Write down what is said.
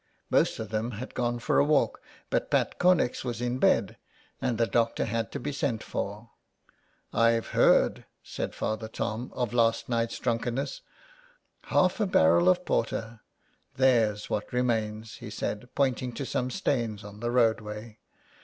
Most of them had gone for a walk, but Pat Connex was in bed, and the doctor had to be sent for. *' Pve heard," said Father Tom, '' of last night's drunkenness. Haifa barrel of porter; there's what remains," he said, pointing to some stains on the roadway.